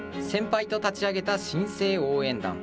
先輩と立ち上げた新生応援団。